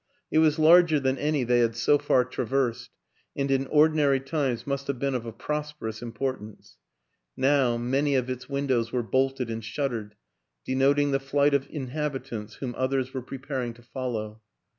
It was larger than any they had so far traversed, and in ordinary times must have been of a pros perous importance ; now many of its windows were bolted and shuttered, denoting the flight of inhabitants whom others were preparing to fol low.